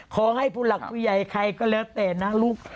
ขอให้ผู้หลักผู้ใหญ่ใครก็แล้วแต่นะลูก